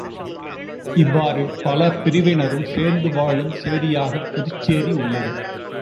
இவ்வாறு பல பிரிவினரும் சேர்ந்து வாழும் சேரியாகப் புதுச்சேரி உள்ளது.